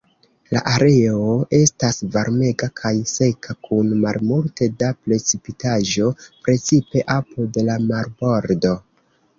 La areo estas varmega kaj seka kun malmulte da precipitaĵo, precipe apud la marbordo.